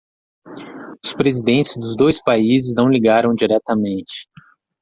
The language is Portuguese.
Os presidentes dos dois países não ligaram diretamente.